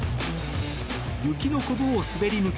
雪のこぶを滑り